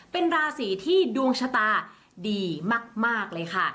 เป็นราศีที่ดวงชะตาดีมากเลยค่ะ